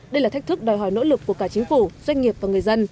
đây là thách thức đòi hỏi nỗ lực của cả chính phủ doanh nghiệp và người dân